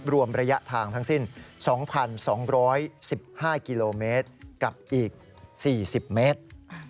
รวมระยะทางทั้งสิ้น๒๒๑๕กิโลเมตรกับอีก๔๐เมตร